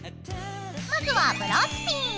まずはブローチピン。